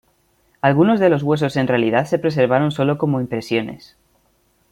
Algunos de los huesos en realidad se preservaron solo como impresiones.